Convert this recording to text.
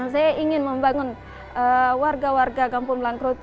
saya ingin membangun warga warga kampung melangkrut